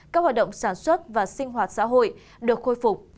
các hoạt động sản xuất và sinh hoạt xã hội được khôi phục